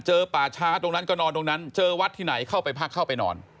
ป่าช้าตรงนั้นก็นอนตรงนั้นเจอวัดที่ไหนเข้าไปพักเข้าไปนอน